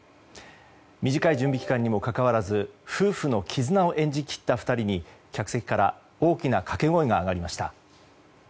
短い準備期間にもかかわらず夫婦の絆を演じ切った２人に客席から大きな掛け声が上がりました。